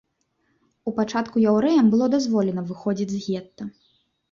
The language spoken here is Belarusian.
У пачатку яўрэям было дазволена выходзіць з гета.